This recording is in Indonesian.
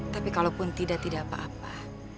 tapi kalau pun tidak tidak apa apa